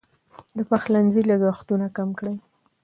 د پخلنځي لګښتونه کم کړئ.